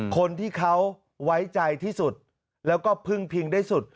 คนที่เขาไว้ใจที่สุดแล้วก็พึ่งพิงได้สุด